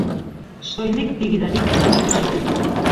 Soilik bi gidarik amaitu zuten.